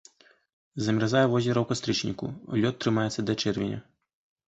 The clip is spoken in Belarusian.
Замярзае возера ў кастрычніку, лёд трымаецца да чэрвеня.